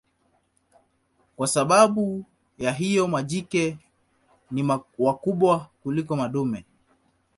Kwa sababu ya hiyo majike ni wakubwa kuliko madume.